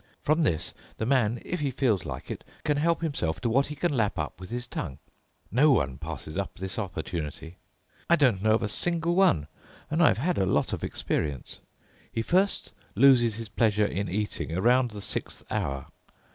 From this the man, if he feels like it, can help himself to what he can lap up with his tongue. No one passes up this opportunity. I don't know of a single one, and I have had a lot of experience. He first loses his pleasure in eating around the sixth hour.